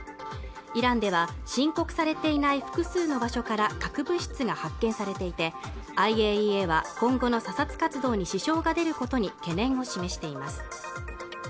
イランでは申告されていない複数の場所から核物質が発見されていてＩＡＥＡは今後の査察活動に支障が出ることに懸念を示しています